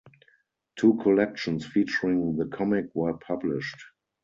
Two collections featuring the comic were published.